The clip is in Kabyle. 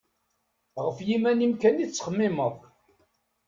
Γef yiman-im kan i tettxemmimeḍ.